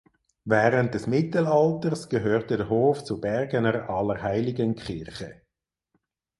Während des Mittelalters gehörte der Hof zur Bergener Allerheiligenkirche.